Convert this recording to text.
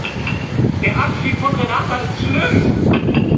Der Abschied von Renata ist schlimm.